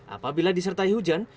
apabila disertai hujan